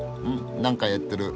何かやってる。